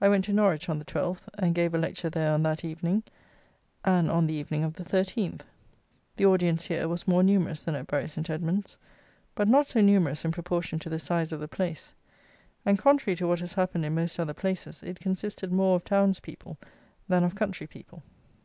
I went to Norwich on the 12th, and gave a lecture there on that evening, and on the evening of the 13th. The audience here was more numerous than at Bury St. Edmund's, but not so numerous in proportion to the size of the place; and, contrary to what has happened in most other places, it consisted more of town's people than of country people.